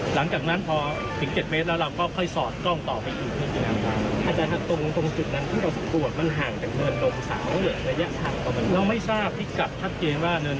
หลังจากนั้นพอถึง๗เมตรแล้วเราก็ค่อยสอดกล้องต่อไปอีกนิดนึง